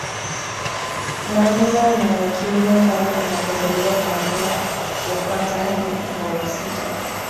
Naanza na ya kiume pale anapozaliwa kuanzia wa kwanza hadi wa wa sita